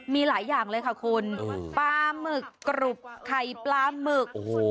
มีหลายอย่างเลยค่ะคุณปลาหมึกกรุบไข่ปลาหมึก